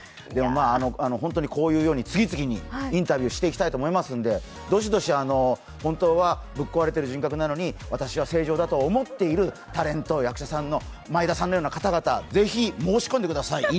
本当にこういうように次々にインタビューしていきたいと思いますのでどしどし本当はブッ壊れている人格なのに、私は正常だと思っている役者、タレントさん、毎田さんような方々、ぜひ申し込んでください。